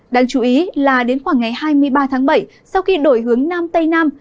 đáng chú ý là đến khoảng ngày hai mươi ba tháng bảy sau khi đổi hướng nam tây nam